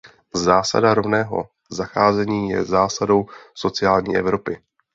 Zásada rovného zacházení je zásadou sociální Evropy.